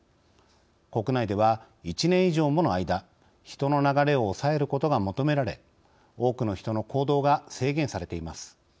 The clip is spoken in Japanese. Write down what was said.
国内では１年以上もの間人の流れを抑えることが求められ多くの人の行動が制限されています。